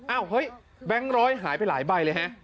เฮ้ยแบงค์ร้อยหายไปหลายใบเลยฮะ